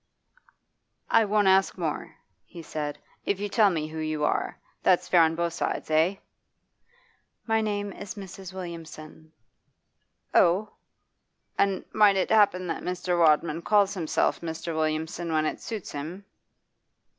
'I won't ask more,' he said, 'if you'll tell me who you are. That's fair on both sides, eh?' 'My name is Mrs. Williamson.' 'Oh? And might it 'appen that Mr. Rodman calls himself Mr. Williamson when it suits him?